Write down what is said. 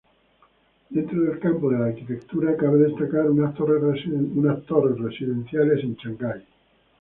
Dentro del campo de la arquitectura cabe destacar unas torres residenciales en Shangai.